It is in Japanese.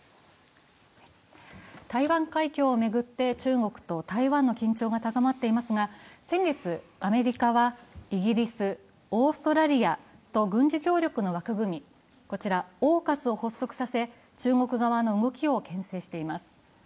台湾海峡を巡って中国と台湾の緊張が高まっていますが先月、アメリカはイギリス、オーストラリアと軍事協力の枠組み、ＡＵＫＵＳを発足させ、中国側の動きをけん制しています。